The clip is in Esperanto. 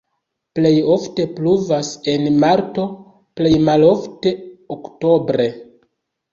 Plej ofte pluvas en marto, plej malofte oktobre.